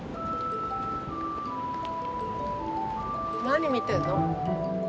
何見てんの？